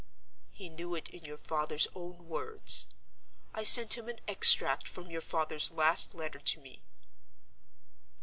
"He knew it in your father's own words. I sent him an extract from your father's last letter to me."